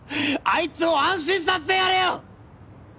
あいつを安心させてやれよ！